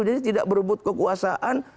jadi tidak berebut kekuasaan